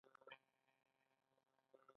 ایا زه باید میرمن شم؟